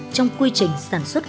trong quy trình sản xuất